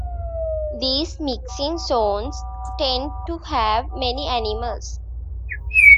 These mixing zones tend to have many animals.